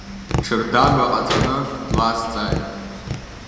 Ҽырдагәа ҟаҵаны, длазҵааит.